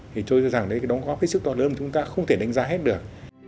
thì tôi rằng đấy đóng góp cái sức to lớn mà chúng ta không thể đánh giá hết được